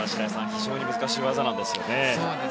非常に難しい技なんですよね。